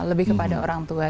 lebih kepada orang tua